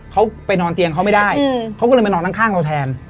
เขาไปนอนเตียงเขาไม่ได้เขาก็เลยมานอนข้างเราแทน